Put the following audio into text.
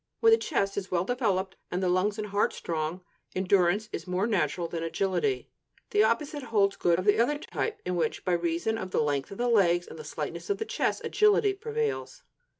When the chest is well developed and the lungs and heart strong, endurance is more natural than agility; the opposite holds good of the other type, in which, by reason of the length of the legs and the slightness of the chest, agility prevails.